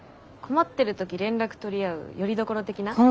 困ってる時連絡取り合うよりどころ的な。